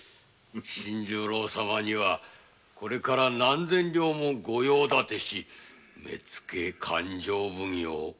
新十郎様にはこれから何千両もご用立てし「目付」「勘定奉行」「大目付」と。